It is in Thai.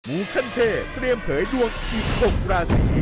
ูขั้นเทพเตรียมเผยดวงอีก๖ราศี